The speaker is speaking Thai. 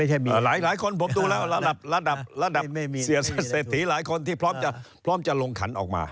หลายคนผมดูแล้วระดับระดับเศรษฐีหลายคนที่พร้อมจะลงขันออกมา